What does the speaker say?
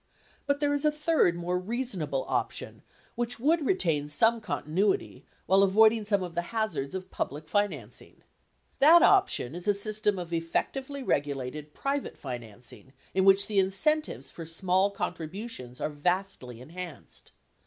But, there is a third, more reasonable option which would retain some con tinuity while avoiding some of the hazards of public financing. That option is a system of effectively regulated private financing in which the incentives for small contributions are vastly enhanced.